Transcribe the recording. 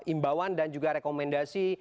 imbawan dan juga rekomendasi